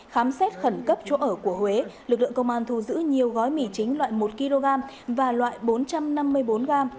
khám xét khẩn cấp chỗ ở của huế lực lượng công an thu giữ nhiều gói mì chính loại một kg và loại bốn trăm năm mươi bốn g